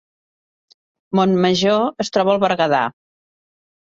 Montmajor es troba al Berguedà